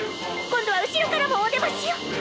今度は後ろからもおでましよ！